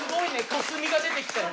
カスミが出てきたよ。